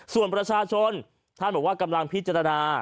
ส่วนประชาชนท่านบอกว่ากำลังพิจารณา